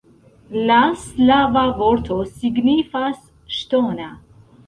La slava vorto signifas ŝtona.